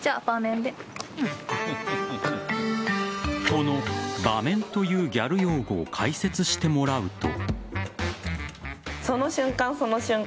この場面というギャル用語を解説してもらうと。